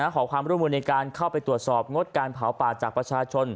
ขอความร่วมมือในการเข้าไปตรวจสอบงดการเผาป่าจากประชาชน